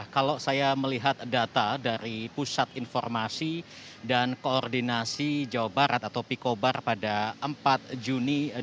kalau saya melihat data dari pusat informasi dan koordinasi jawa barat atau pikobar pada empat juni dua ribu dua puluh